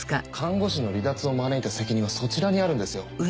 看護師の離脱を招いた責任はそちらにあるんですよ。